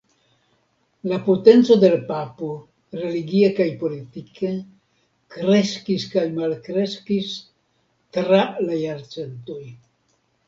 La potenco de la papo, religie kaj politike, kreskis kaj malkreskis tra la jarcentoj.